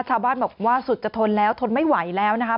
ชาวบ้านบอกว่าสุดจะทนแล้วทนไม่ไหวแล้วนะคะ